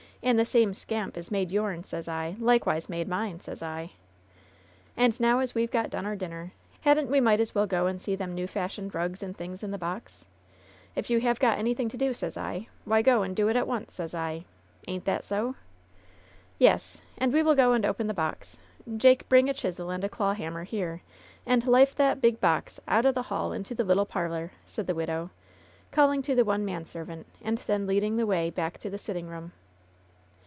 And the same scamp as made youm, sez I, likewise made mine, sez I. And now as we've got done our dinner, hadn't we might as well go and see them new fashioned rugs and things in the box i If you have got anything to do, sez I, why, go and do it at once, sez I. Ain't that so ?" "Yes, and we will go and open the box. Jake, bring a chisel and a clawhammer here, and life that big box out o' the hall into the little parlor," said the widow, calling to the one manservant, and then leading the way back to the sitting room.